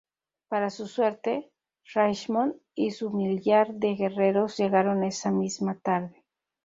Para su suerte, Richemont y su millar de guerreros llegaron esa misma tarde.